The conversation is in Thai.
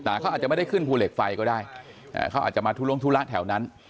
แต่เขาอาจจะไม่ได้ขึ้นภูเหล็กไฟก็ได้เขาอาจจะมาทุลงธุระแถวนั้น